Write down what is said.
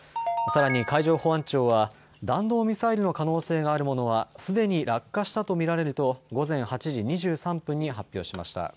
さらに海上保安庁は弾道ミサイルの可能性があるものはすでに落下したと見られると午前８時２３分に発表しました。